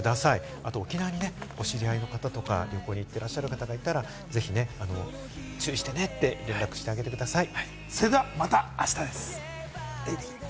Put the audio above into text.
あと沖縄にお知り合いの方とか旅行に行っていらっしゃる方がいたら、ぜひね、注意してねと連絡してあげてください。